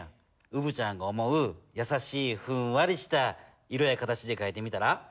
うぶちゃんが思うやさしいふんわりした色や形でかいてみたら？